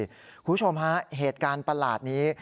คุณผู้ชมฮะเหตุการณ์ประหลาดนี้